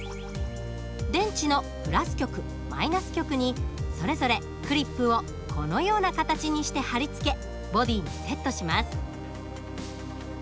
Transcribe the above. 電池のプラス極マイナス極にそれぞれクリップをこのような形にして貼り付けボディにセットします。